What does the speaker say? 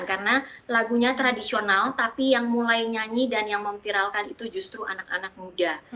karena lagunya tradisional tapi yang mulai nyanyi dan yang memviralkan itu justru anak anak muda